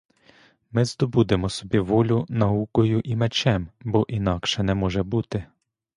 Ми здобудемо собі волю наукою і мечем, бо інакше не може бути.